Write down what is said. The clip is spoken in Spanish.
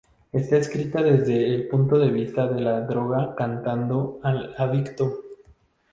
Está escrita desde el punto de vista de la droga cantando al adicto.